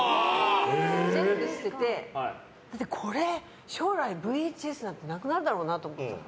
全部捨ててこれ、将来ＶＨＳなんてなくなるだろうなと思って。